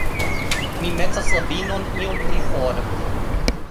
Mi metas la vinon iom pli for